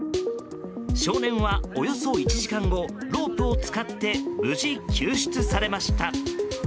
少年は、およそ１時間後ロープを使って無事、救出されました。